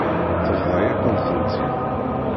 Tebḍa-yakent-tent-id.